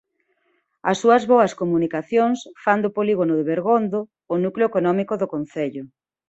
As súas boas comunicacións fan do polígono de Bergondo o núcleo económico do concello.